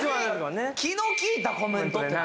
気の利いたコメントって何？